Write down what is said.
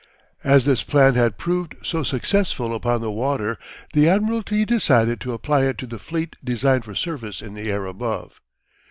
As this plan had proved so successful upon the water, the Admiralty decided to apply it to the fleet designed for service in the air above.